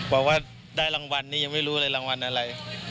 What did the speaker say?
บอกว่าได้รางวัลนี้ยังไม่รู้เลยรางวัลอะไร